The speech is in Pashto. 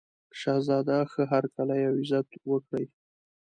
شهزاده ښه هرکلی او عزت وکړي.